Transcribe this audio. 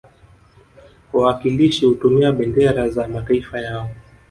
Wawakilishi hutumia bendera za mataifa yao